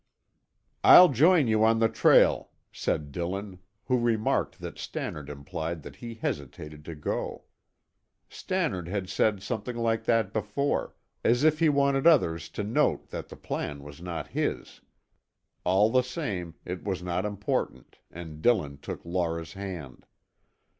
"I'll join you on the trail," said Dillon, who remarked that Stannard implied that he hesitated to go. Stannard had said something like that before, as if he wanted others to note that the plan was not his. All the same, it was not important, and Dillon took Laura's hand.